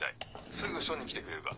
すぐ署に来てくれるか。